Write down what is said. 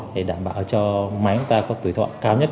để đảm bảo cho máy chúng ta có tuổi thọ cao nhất